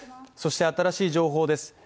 そして新しい情報です